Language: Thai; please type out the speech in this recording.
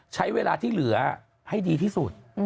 ใช้เวลาที่เหลือให้ดีที่สุด